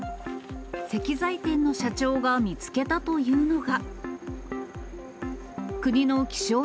石材店の社長が見つけたというのが。